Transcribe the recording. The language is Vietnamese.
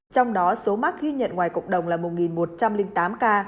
trong đó số mắc ghi nhận ngoài cộng đồng là một một trăm linh tám ca